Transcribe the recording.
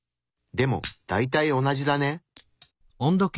でも大体同じだね。